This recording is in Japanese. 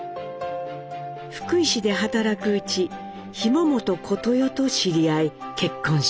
福井市で働くうち紐本小とよと知り合い結婚します。